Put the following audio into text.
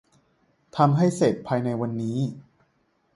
ทำให้เสร็จภายในวันนี้